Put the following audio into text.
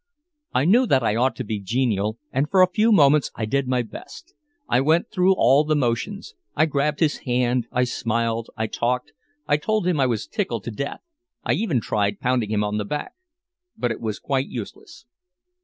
I knew that I ought to be genial, and for a few moments I did my best. I went through all the motions. I grabbed his hand, I smiled, I talked, I told him I was tickled to death, I even tried pounding him on the back. But it was quite useless.